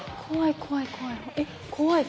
怖い怖い怖い。